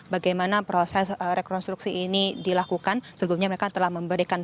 bagaimana proses rekonstruksi ini dilakukan sebelumnya mereka telah memberikan